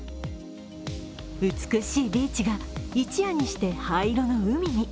美しいビーチが一夜にして灰色の海に。